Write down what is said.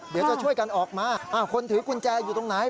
เดี๋ยวจะช่วยกันออกมาคนถือกุญแจอยู่ตรงไหน